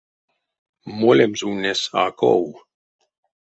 Молемс ульнесь а ков.